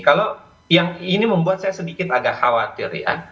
kalau yang ini membuat saya sedikit agak khawatir ya